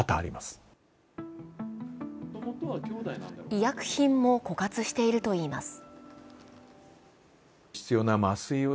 医薬品も枯渇しているといいます。